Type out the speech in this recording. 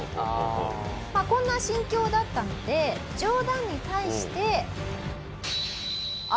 こんな心境だったので冗談に対して。